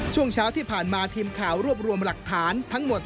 ช่วงเช้าที่ผ่านมาทีมข่าวรวบรวมหลักฐานทั้งหมด